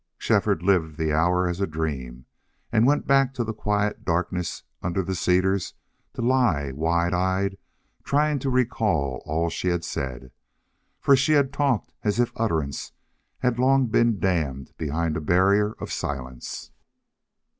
Shefford lived the hour as a dream and went back to the quiet darkness under the cedars to lie wide eyed, trying to recall all that she had said. For she had talked as if utterance had long been dammed behind a barrier of silence.